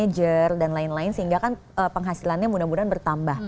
manager dan lain lain sehingga kan penghasilannya mudah mudahan bertambah